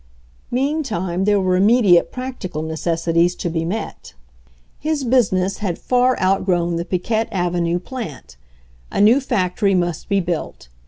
Meantime, there were immediate practical necessities to be met. His business had far out "THE GREATEST GOOD" 145 grown the Piquette avenue plant. A new factory must be built.